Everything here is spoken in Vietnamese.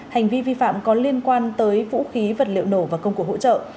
hành vi vi phạm có liên quan tới vũ khí vật liệu nổ và công cụ hỗ trợ